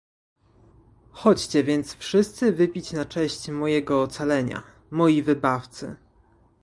"Chodźcie więc wszyscy wypić na cześć mojego ocalenia, moi wybawcy."